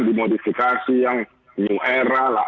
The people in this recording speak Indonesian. dimodifikasi yang new era lah